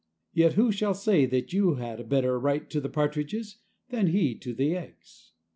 Yet who shall say that you had a better right to the partridges than he to the eggs?